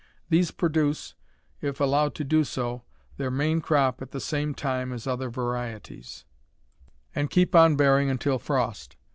These produce, if allowed to do so, their main crop at the same time as other varieties, and keep on bearing until frost.